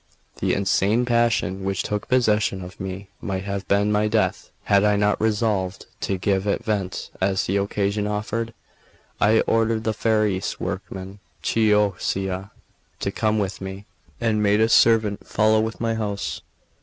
The insane passion which took possession of me might have been my death, had I not resolved to give it vent as the occasion offered. I ordered the Ferrarese workman, Chioccia, to come with me, and made a servant follow with my horse.